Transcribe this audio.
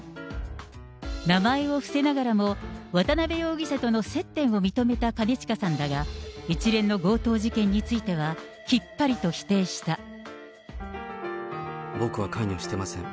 名前を伏せながらも、渡辺容疑者との接点を認めた兼近さんだが、一連の強盗事件につい僕は関与してません。